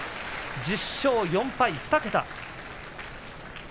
１０勝４敗２桁。